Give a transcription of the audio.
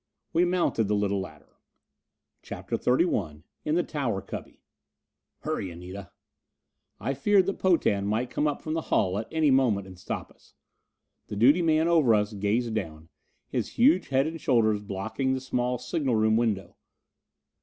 We mounted the little ladder. CHAPTER XXXI In the Tower Cubby "Hurry, Anita!" I feared that Potan might come up from the hull at any moment and stop us. The duty man over us gazed down, his huge head and shoulders blocking the small signal room window.